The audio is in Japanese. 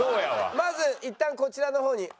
まずいったんこちらの方に。